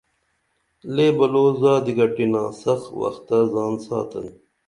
لے بلو زادی گٹِنا سخ وختہ زان ساتن